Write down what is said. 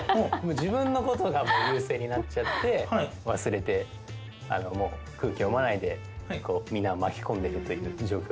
自分のことが優先になっちゃって忘れて空気読まないでみんなを巻き込んでるという状況でした。